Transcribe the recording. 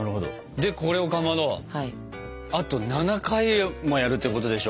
でこれをかまどあと７回もやるってことでしょ？